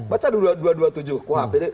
baca dua ratus dua puluh tujuh kuhp